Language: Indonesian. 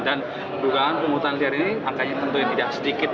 dan perlukaan penghutang liar ini angkanya tentu yang tidak sedikit